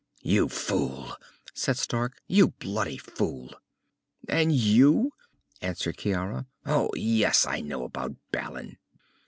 "You fool," said Stark. "You bloody fool." "And you?" answered Ciara. "Oh, yes, I know about Balin.